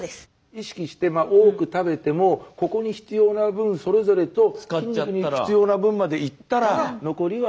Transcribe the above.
意識して多く食べてもここに必要な分それぞれと筋肉に必要な分までいったら残りは。